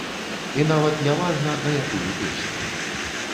І нават не важна, на якую песню.